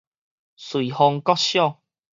瑞豐國小